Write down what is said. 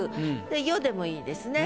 「よ」でもいいですね